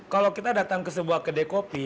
kalau kita datang ke sebuah kedai kopi